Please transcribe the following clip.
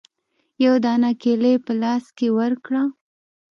يوه دانه کېله يې په لاس کښې ورکړه.